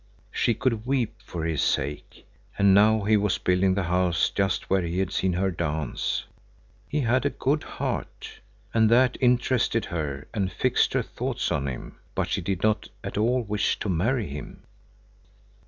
She could weep for his sake. And now he was building the house just where he had seen her dance. He had a good heart. And that interested her and fixed her thoughts on him, but she did not at all wish to marry him.